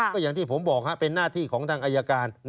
ก็อย่างที่ผมบอกเป็นหน้าที่ของทางอายการ